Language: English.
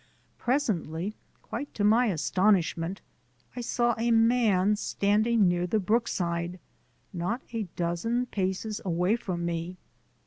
Presently, quite to my astonishment, I saw a man standing near the brookside not a dozen paces away from me.